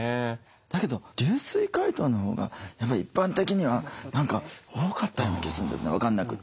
だけど流水解凍のほうがやっぱり一般的には何か多かったような気するんですね分かんなくて。